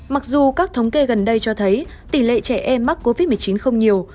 mặc dù các thống kê gần đây cho thấy tỷ lệ trẻ em mắc covid một mươi chín không nhiều